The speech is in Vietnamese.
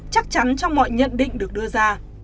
chắc chắn trong mọi nhận định được đưa ra